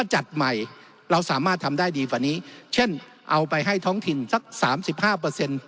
จัดใหม่เราสามารถทำได้ดีกว่านี้เช่นเอาไปให้ท้องถิ่นสักสามสิบห้าเปอร์เซ็นต์